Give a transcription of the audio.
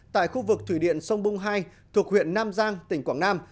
tại khu vực thủy điện sông bung hai thuộc huyện nam giang tỉnh quảng nam